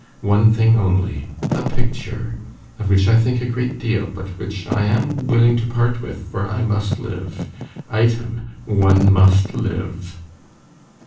One thing only, a picture, of which I think a great deal, but which I am willing to part with, for I must live! Item, one must live!"